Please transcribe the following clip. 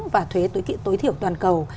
và thuế tối thiểu toàn cầu